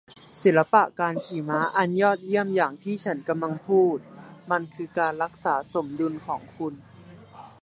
ศิลปะการขี่ม้าอันยอดเยี่ยมอย่างที่ฉันกำลังพูด มันคือการรักษาสมดุลของคุณ